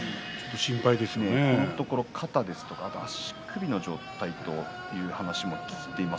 このところ肩や足首の状態という話も聞いています。